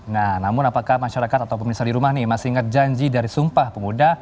nah namun apakah masyarakat atau pemirsa di rumah nih masih ingat janji dari sumpah pemuda